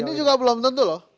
ini juga belum tentu loh